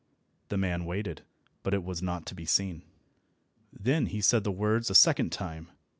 The man waited, but it was not to be seen. Then he said the words a second time.